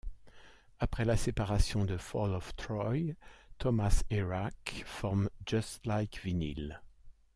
Après la séparation de Fall of Troy, Thomas Erak forme Just Like Vinyl.